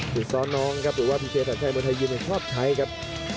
หรือซ้อน้องครับหรือว่าพี่เจศหาใครมือไทยยินยังชอบไทยครับ